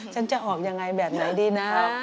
ฉันจะออกยังไงแบบไหนดีนะ